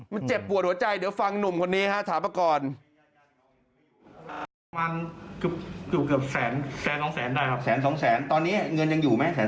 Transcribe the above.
มันเจ็บปวดหัวใจเดี๋ยวฟังหนุ่มคนนี้ฮะถาปกร